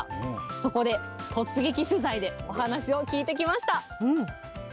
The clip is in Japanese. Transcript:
そこで、突撃取材でお話を聞いてきました。